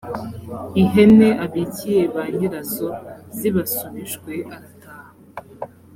ihene abikiye ba nyirazo zibasubijwe arataha.